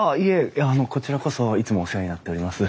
いやあのこちらこそいつもお世話になっております。